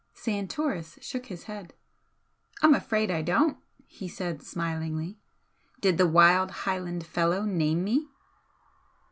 Santoris shook his head. "I'm afraid I don't!" he said, smilingly. "Did the 'wild Highland fellow' name me?"